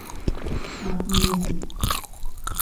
a maison.